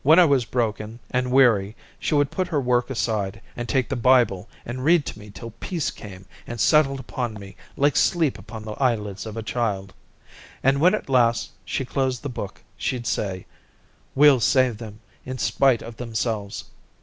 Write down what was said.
When I was broken and weary she would put her work aside and take the Bible and read to me till peace came and settled upon me like sleep upon the eyelids of a child, and when at last she closed the book she'd say: 'We'll save them in spite of themselves.'